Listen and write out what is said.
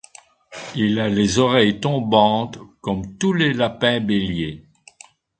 Il a les oreilles tombantes comme tous les lapins béliers.